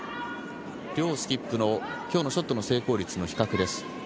両スキップの今日のショットの成功率の比較です。